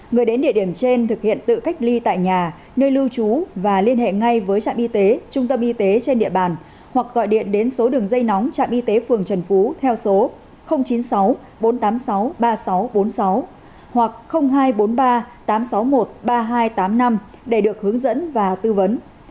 người đến địa điểm trên thực hiện tự cách ly tại nhà nơi lưu trú và liên hệ ngay với trạm y tế trung tâm y tế trên địa bàn hoặc gọi điện đến số đường dây nóng trạm y tế phường trần phú theo số chín mươi sáu bốn trăm tám mươi sáu ba nghìn sáu trăm bốn mươi sáu hoặc hai trăm bốn mươi ba tám trăm sáu mươi một ba nghìn hai trăm tám mươi năm để được hướng dẫn và tư vấn